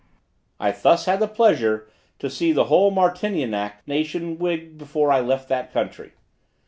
I thus had the pleasure to see the whole Martinianic nation wigged before I left that country.